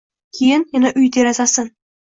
Keyin yana uy derazasin